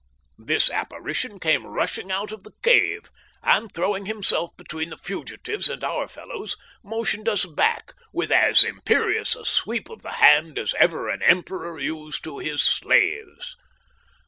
This apparition came rushing out of the cave, and, throwing himself between the fugitives and our fellows, motioned us back with as imperious a sweep of the hand as ever an emperor used to his slaves.